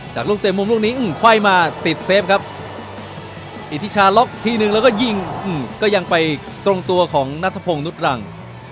ลูกเตะมุมลูกนี้ไขว้มาติดเซฟครับอิทธิชาล็อกทีนึงแล้วก็ยิงก็ยังไปตรงตัวของนัทพงศ์นุษย์รัง